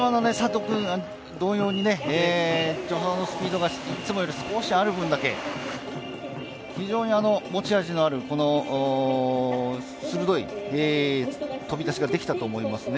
助走のスピードがいつもより少しある分だけ非常に持ち味のある鋭い飛び出しができたと思いますね。